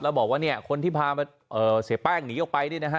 แล้วบอกว่าเนี่ยคนที่พาเสียแป้งหนีออกไปนี่นะฮะ